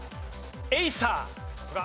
エイサー。